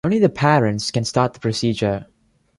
Only the parents can start the procedure.